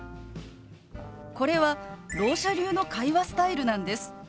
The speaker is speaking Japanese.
これはろう者流の会話スタイルなんです。